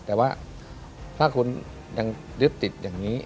แต่ว่าถ้าคุณยังยึดติดอย่างนี้